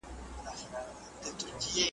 له مطالعې او تحقیقي لید څخه